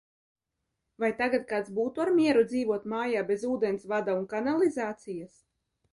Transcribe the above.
Vai tagad kāds būtu ar mieru dzīvot mājā bez ūdensvada un kanalizācijas?